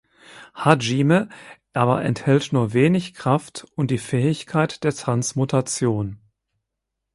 Hajime aber erhält nur wenig Kraft und die Fähigkeit der Transmutation.